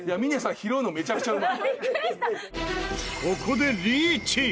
ここでリーチ！